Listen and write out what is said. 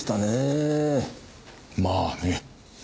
まあね。